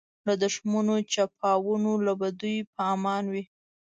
له دښمنو چپاوونو له بدیو په امان وي.